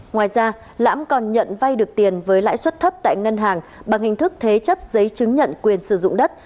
ngoài ra lãm còn nhận vay được tiền với lãi suất thấp tại ngân hàng bằng hình thức thế chấp giấy chứng nhận quyền sử dụng đất